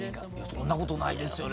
そんなことないですよね。